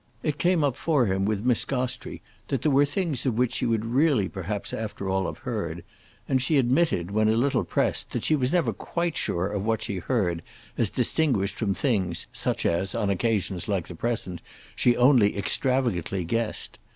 It came up for him with Miss Gostrey that there were things of which she would really perhaps after all have heard, and she admitted when a little pressed that she was never quite sure of what she heard as distinguished from things such as, on occasions like the present, she only extravagantly guessed.